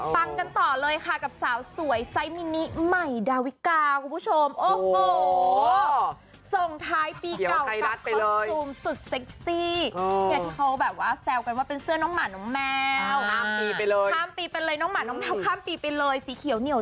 ปร่างกันต่อเลยค่ะกับสาวสวยไซส์มีนิใหม่ดาวิกาครับพี่